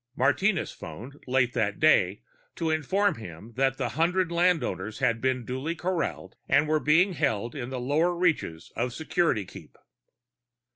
Martinez phoned, late that day, to inform him that the hundred landowners had been duly corralled and were being held in the lower reaches of Security Keep.